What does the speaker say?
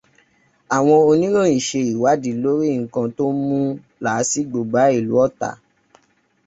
Àwọn oníròyìn ṣe ìwádìi lórí nǹkan tó mú làásìgbò bá ìlú Ọ̀tà.